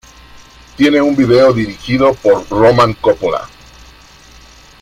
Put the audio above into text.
Tiene un video dirigido por Roman Coppola.